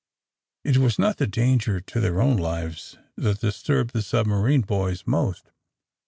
It was not the danger to their own lives that disturbed the submarine boys most.